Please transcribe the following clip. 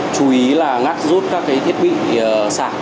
chú ý là ngắt rút các thiết bị sạc